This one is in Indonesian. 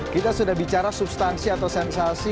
kita sudah bicara substansi atau sensasi